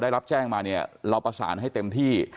ได้รับแจ้งมาเนี่ยเราประสานให้เต็มที่